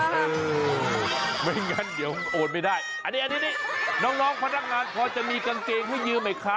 เออไม่งั้นเดี๋ยวโอนไม่ได้อันนี้น้องพนักงานพอจะมีกางเกงให้ยืมไหมคะ